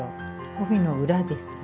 帯の裏ですね。